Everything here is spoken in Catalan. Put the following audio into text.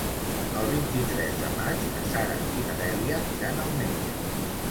El vint-i-tres de maig na Sara i na Dèlia iran al metge.